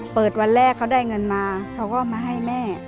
วันแรกเขาได้เงินมาเขาก็มาให้แม่